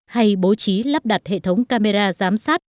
hay bố trí lắp đặt hệ thống camera giám sát